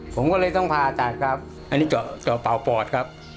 ผมก็เลยต้องผ่าตัดครับอันนี้เจาะเป่าปอดครับ